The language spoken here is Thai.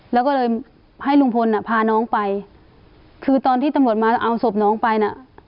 แล้วก็เลยให้ลุงพลอ่ะพาน้องไปคือตอนที่ตำรวจมาเอาศพน้องไปน่ะ